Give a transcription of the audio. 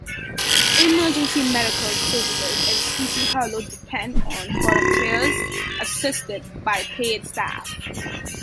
Emergency medical services in Sleepy Hollow depend on volunteers assisted by paid staff.